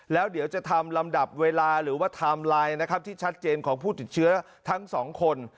แล้วเดี๋ยวจะทำลำดับเวลาหรือว่าไทม์ไลน์นะครับที่ชัดเจนของผู้ติดเชื้อทั้งสองคน